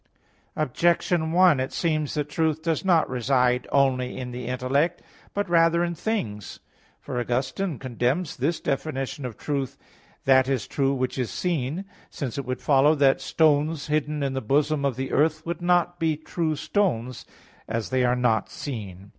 Objection 1: It seems that truth does not reside only in the intellect, but rather in things. For Augustine (Soliloq. ii, 5) condemns this definition of truth, "That is true which is seen"; since it would follow that stones hidden in the bosom of the earth would not be true stones, as they are not seen.